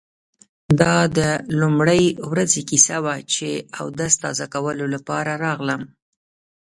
دا د لومړۍ ورځې کیسه وه چې اودس تازه کولو لپاره راغلم.